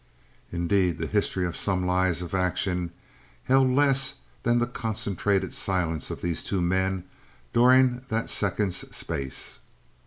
Indeed the history of some lives of action held less than the concentrated silence of these two men during that second's space.